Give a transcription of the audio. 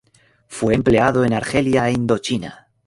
Fue empleado en Argelia e Indochina.